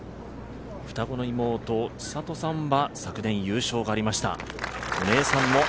双子の千怜さんは昨年優勝がありました。